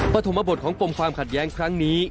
ปฐมบทของปมความขัดแย้งครั้งนี้